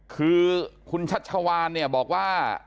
คือคุณชัชวานเนี่ยบอกว่า